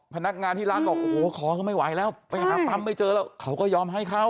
พนักงานที่ร้านบอกโอ้โหขอก็ไม่ไหวแล้วไปหาปั๊มไม่เจอแล้วเขาก็ยอมให้เขา